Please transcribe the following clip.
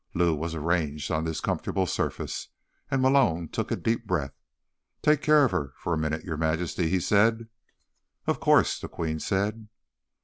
Lou was arranged on this comfortable surface, and Malone took a deep breath. "Take care of her for a minute, Your Majesty," he said. "Of course," the Queen said.